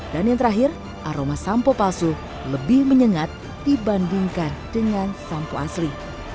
dan yang terakhir aroma sampo palsu lebih menyengat dibandingkan dengan sampo asli